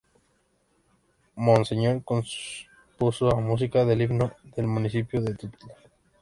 Monseñor compuso la música del himno del municipio De Tuta.